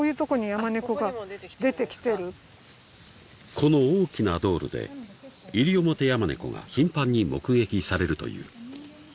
［この大きな道路でイリオモテヤマネコが頻繁に目撃されるという］